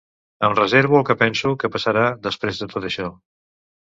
Em reservo el que penso que passarà després de tot això.